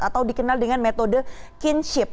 atau dikenal dengan metode kinship